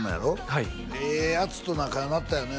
はいええヤツと仲良うなったよね